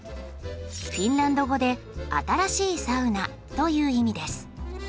フィンランド語で「新しいサウナ」という意味です。